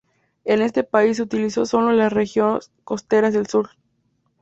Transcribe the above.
En este país, se utiliza solo en las regiones costeras del sur.